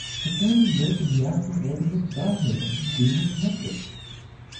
The family lived in the affluent neighborhood of Belle Haven in Greenwich, Connecticut.